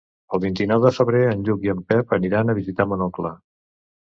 El vint-i-nou de febrer en Lluc i en Pep aniran a visitar mon oncle.